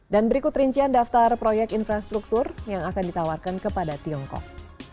dan berikut rincian daftar proyek infrastruktur yang akan ditawarkan kepada tiongkok